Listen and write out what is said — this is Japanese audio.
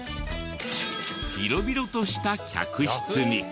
広々とした客室に。